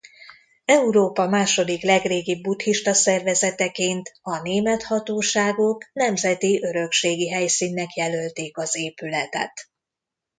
Európa második legrégibb buddhista szervezeteként a német hatóságok nemzeti örökségi helyszínnek jelölték az épületet.